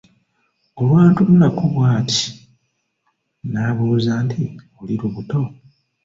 Olwantunulako bw'ati n'ambuuza nti, "oli lubuto?"